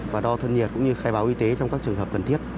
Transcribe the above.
và đo thân nhiệt cũng như khai báo y tế trong các trường hợp cần thiết